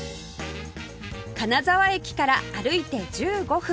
金沢駅から歩いて１５分